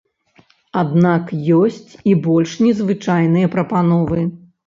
Аднак ёсць і больш незвычайныя прапановы.